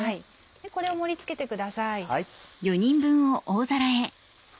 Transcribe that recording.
これを盛り付けてください。